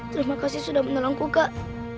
terima kasih sudah menolongku kak